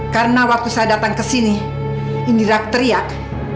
karena waktu saya datang ke sini indira teriak